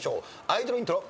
アイドルイントロ。